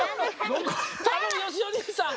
たのむよしお兄さん